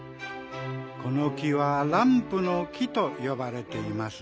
この木はランプの木とよばれています。